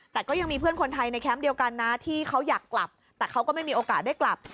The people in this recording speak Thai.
แต่ก็ยังมีเพื่อนคนไทยในแคมป์เดียวกันนะที่เขาอยากกลับแต่เขาก็ไม่มีโอกาสได้กลับ